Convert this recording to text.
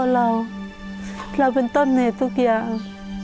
เราเป็นต้นในทุกอย่าง